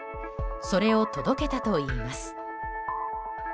それを届けたといいます。